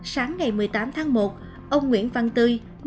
sáng ngày một mươi tám tháng một ông nguyễn văn tươi